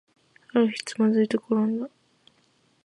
ある日、つまずいてころんだ